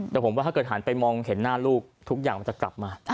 แต่ผมว่าถ้าเกิดหันไปมองเห็นหน้าลูกทุกอย่างมันจะกลับมา